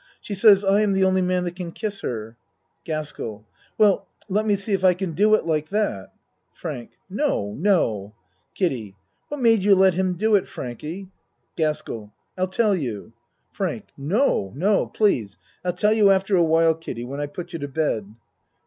She says I am the only man that can kiss her. GASKELL Well, let me see if I can do it like that. FRANK No no ! KIDDIE What made you let him do it, Frankie? GASKELL I'll tell you. FRANK No no! Please. I'll tell you after awhile, Kiddie when I put you to bed.